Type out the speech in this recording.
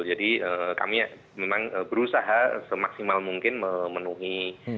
jadi kami memang berusaha semaksimal mungkin memenuhi